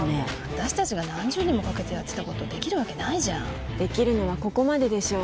私達が何十人もかけてやったことできるわけないじゃんできるのはここまででしょう